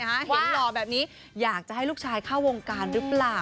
หล่อแบบนี้อยากจะให้ลูกชายเข้าวงการหรือเปล่า